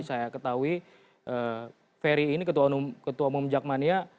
saya ketahui ferry ini ketua umum jack money